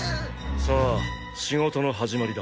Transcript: さぁ仕事の始まりだ。